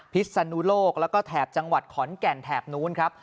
พิศนุโลกแล้วก็แถบจังหวัดขอนแก่นแถบนู้นครับ